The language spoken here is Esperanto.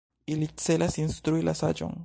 Ili celas instrui la Saĝon.